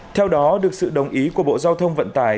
theo đó được sự đồng ý của bộ giao thông vận tải